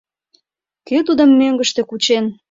Кӧ тудым мӧҥгыштӧ кучен